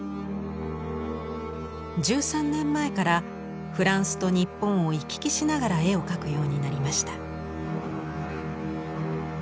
１３年前からフランスと日本を行き来しながら絵を描くようになりました。